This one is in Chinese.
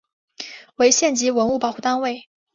为县级文物保护单位。